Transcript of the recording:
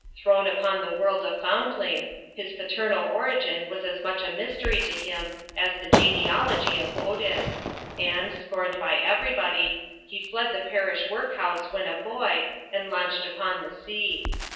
Thrown upon the world a foundling, his paternal origin was as much a mystery to him as the genealogy of Odin ; and, scorned by every body, he fled the parish workhouse when a boy, and launched upon the sea.